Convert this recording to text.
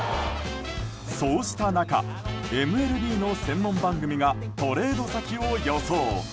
そうした中、ＭＬＢの専門番組がトレード先を予想。